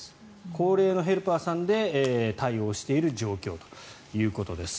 高齢のヘルパーさんで対応している状況ということです。